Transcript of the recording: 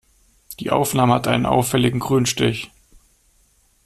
Die Aufnahme hat einen auffälligen Grünstich.